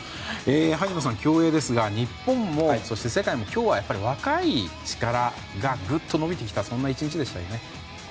萩野さん、競泳ですが日本もそして世界も今日は若い力がぐっと伸びてきたそんな１日でしたよね。